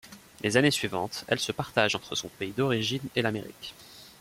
Les années suivantes, elle se partage entre son pays d'origine et l'Amérique.